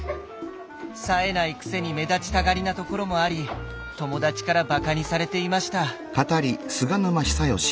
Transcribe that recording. さえないくせに目立ちたがりなところもあり友達からバカにされていました。